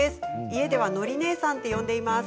家では、のり姉さんと呼んでいます。